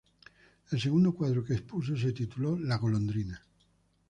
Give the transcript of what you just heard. El segundo cuadro que expuso se tituló "La golondrina.